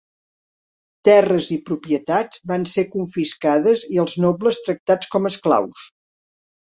Terres i propietats van ser confiscades i els nobles tractats com esclaus.